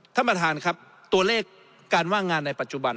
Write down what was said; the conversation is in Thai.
ท่านประธานครับตัวเลขการว่างงานในปัจจุบัน